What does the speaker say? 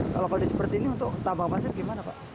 kalau kondisi seperti ini untuk tambang pasir gimana pak